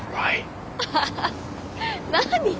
アハハッ何？